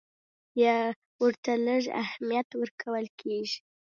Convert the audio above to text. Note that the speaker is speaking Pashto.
یا ورته لږ اهمیت ورکول کېږي.